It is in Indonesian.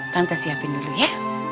tante siapin dulu ya